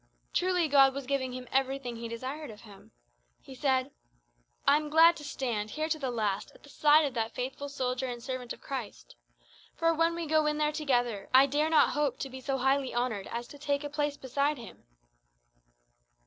Truly God was giving him everything he desired of him. He said, "I am glad to stand, here to the last, at the side of that faithful soldier and servant of Christ. For when we go in there together, I dare not hope to be so highly honoured as to take a place beside him."